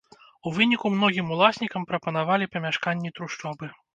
У выніку многім уласнікам прапанавалі памяшканні-трушчобы.